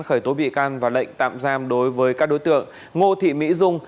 khởi tố bị can và lệnh tạm giam đối với các đối tượng ngô thị mỹ dung